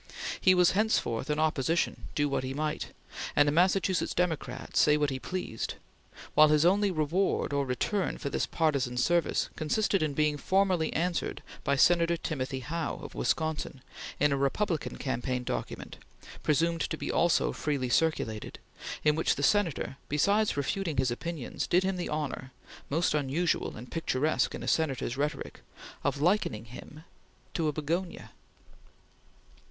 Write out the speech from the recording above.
He was henceforth in opposition, do what he might; and a Massachusetts Democrat, say what he pleased; while his only reward or return for this partisan service consisted in being formally answered by Senator Timothy Howe, of Wisconsin, in a Republican campaign document, presumed to be also freely circulated, in which the Senator, besides refuting his opinions, did him the honor most unusual and picturesque in a Senator's rhetoric of likening him to a begonia.